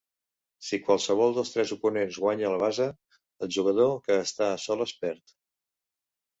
Si qualsevol dels tres oponents guanya la basa, el jugador que està a soles perd.